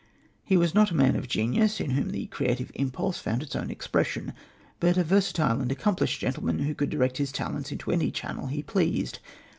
He was not a man of genius in whom the creative impulse found its own expression, but a versatile and accomplished gentleman who could direct his talents into any channel he pleased.